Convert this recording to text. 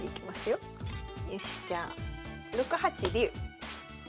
よしじゃあ６八竜。